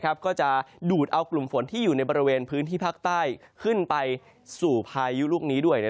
ก็จะดูดเอากลุ่มฝนที่อยู่ในบริเวณพื้นที่ภาคใต้ขึ้นไปสู่พายุลูกนี้ด้วย